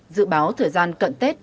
dự báo thời gian cận tết